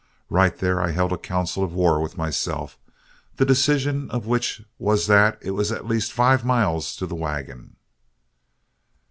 Right there I held a council of war with myself, the decision of which was that it was at least five miles to the wagon.